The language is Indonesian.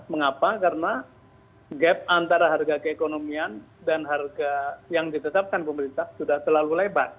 mengapa karena gap antara harga keekonomian dan harga yang ditetapkan pemerintah sudah terlalu lebar